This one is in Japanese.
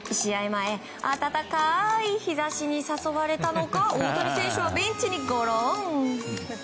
前暖かい日差しに誘われたのか大谷選手はベンチにゴロン。